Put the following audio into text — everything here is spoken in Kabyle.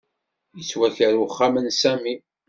Yettwaker uxxam n Sami.